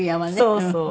そうそう。